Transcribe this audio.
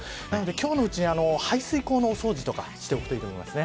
今日のうちに排水口のお掃除とかしておくといいと思いますね。